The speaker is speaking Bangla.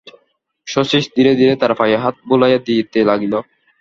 শচীশ ধীরে ধীরে তাঁর পায়ে হাত বুলাইয়া দিতে লাগিল।